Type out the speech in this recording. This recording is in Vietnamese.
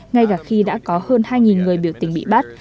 ngay cả khi đã có hơn hai người biểu tình bị bắt